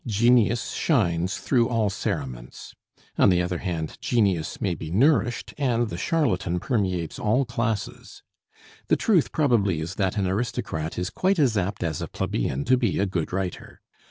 Genius shines through all cerements. On the other hand, genius may be nourished, and the charlatan permeates all classes. The truth probably is that an aristocrat is quite as apt as a plebeian to be a good writer.